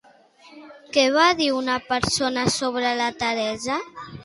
Què va dir una persona sobre la Teresa?